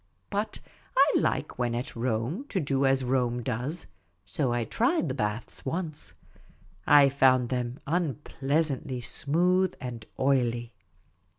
But I like when at Rome to do as Rome does ; so I tried the baths once. I found them unpleasantly smooth and oily.